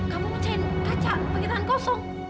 kamu mecahin kaca pakai tangan kosong